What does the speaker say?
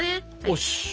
よし！